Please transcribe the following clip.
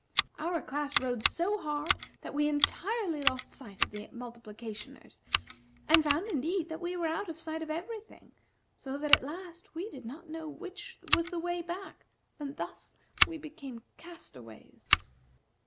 Our class rowed so hard that we entirely lost sight of the Multiplicationers, and found indeed that we were out of sight of every thing; so that, at last, we did not know which was the way back, and thus we became castaways."